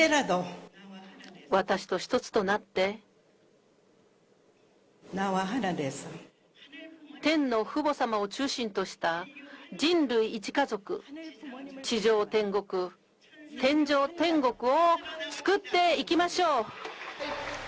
私と一つとなって、天の父母様を中心とした人類一家族、地上天国、天上天国を作っていきましょう。